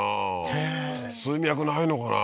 ねえ水脈ないのかな？